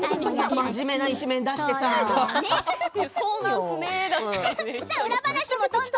真面目な一面を出してさ。